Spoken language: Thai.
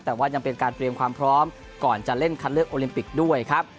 แต่ว่ายังเป็นการเตรียมความพร้อมก่อนจะเล่นคัดเลือกโอลิมปิกด้วยครับ